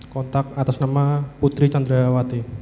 kontak atas nama putri candrawati